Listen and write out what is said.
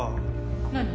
何？